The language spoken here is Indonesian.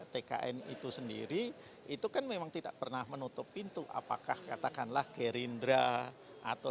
tkn itu sendiri itu kan memang tidak pernah menutup pintu apakah katakanlah gerindra atau